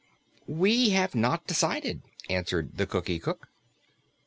"We have not decided," answered the Cookie cook.